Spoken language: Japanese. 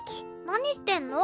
何してんの？